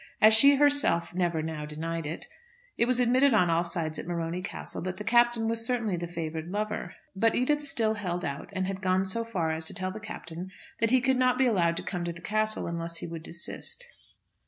As she herself never now denied it, it was admitted on all sides at Morony Castle that the Captain was certainly the favoured lover. But Edith still held out, and had gone so far as to tell the Captain that he could not be allowed to come to the Castle unless he would desist.